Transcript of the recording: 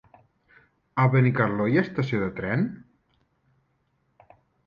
A Benicarló hi ha estació de tren?